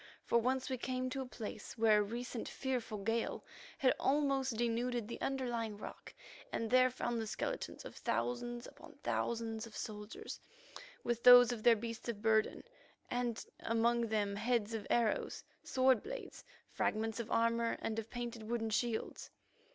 For once we came to a place where a recent fearful gale had almost denuded the underlying rock, and there found the skeletons of thousands upon thousands of soldiers, with those of their beasts of burden, and among them heads of arrows, sword blades, fragments of armour and of painted wooden shields.